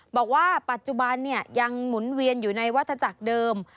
บอกว่าปัจจุบันยังหมุนเวียนอยู่ในวัฒจักรเดิม